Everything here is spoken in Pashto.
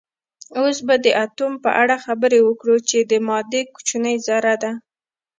اوس به د اتوم په اړه خبرې وکړو چې د مادې کوچنۍ ذره ده